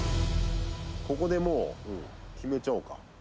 「ここでもう決めちゃおうか」